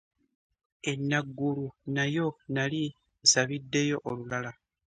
E Naggulu nayo nnali nsabiddeyo olulala.